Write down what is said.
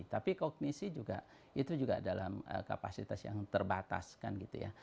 tapi kognisi juga itu juga dalam kapasitas yang terbatas kan gitu ya